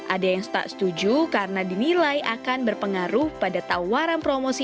ada yang tak setuju karena dinilai akan berpengaruh pada tawaran promosi